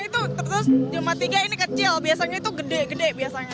terus cuma tiga ini kecil biasanya itu gede gede